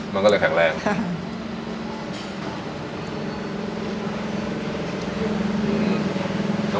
มันก็เลยแข็งแรงค่ะ